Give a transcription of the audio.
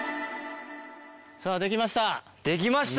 さぁできました。